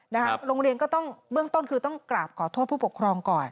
โรงเรียนก็ต้องเบื้องต้นคือต้องกราบขอโทษผู้ปกครองก่อน